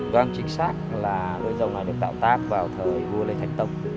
đoán chính xác là đôi rồng này được tạo tác vào thời vua lê thạch tông